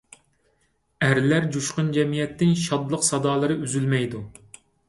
ئەرلەر جۇشقۇن جەمئىيەتتىن شادلىق سادالىرى ئۈزۈلمەيدۇ.